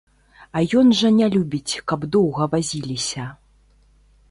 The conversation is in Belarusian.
А ён жа не любіць, каб доўга вазіліся.